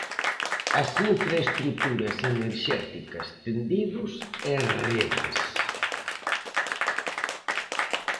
As infraestruturas enerxéticas, tendidos e redes.